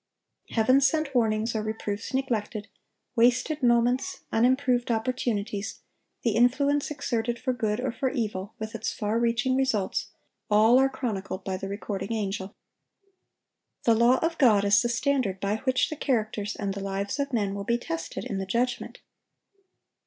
Heaven sent warnings or reproofs neglected, wasted moments, unimproved opportunities, the influence exerted for good or for evil, with its far reaching results, all are chronicled by the recording angel. The law of God is the standard by which the characters and the lives of men will be tested in the judgment.